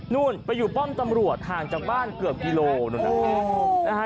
นู่นไปอยู่ป้อมตำรวจห่างจากบ้านเกือบกิโลนู่นนะฮะ